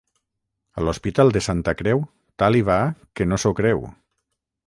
A l'hospital de Santa Creu, tal hi va que no s'ho creu.